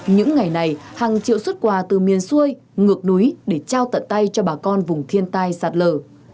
những ngày này hàng triệu xuất quà từ miền xuôi ngược núi để trao tận tay cho bà con vùng thiên tai sạt lở